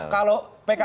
kita obar bersama